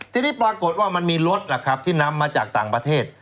ทีนี้ปรากฏว่ามีรถที่นำมาจากต่างประเทศ